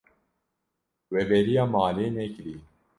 We bêriya malê nekiriye.